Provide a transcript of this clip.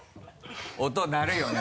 音鳴るよね。